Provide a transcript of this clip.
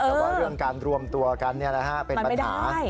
แต่ว่าเรื่องการรวมตัวกันเป็นปัญหา